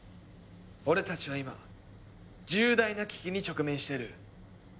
俺たちは今重大な危機に直面してる。